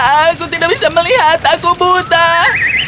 aku tidak bisa melihat aku buta